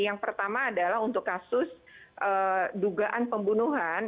yang pertama adalah untuk kasus dugaan pembunuhan